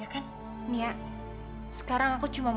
ya kan kita sampai selesai dengan perhubungannya